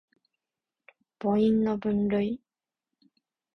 母音の分類